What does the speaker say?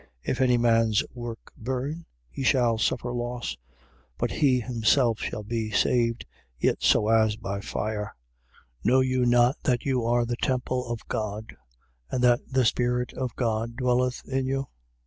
If any mans work burn, he shall suffer loss: but he himself shall be saved, yet so as by fire. 3:16. Know you not that you are the temple of God and that the Spirit of God dwelleth in you?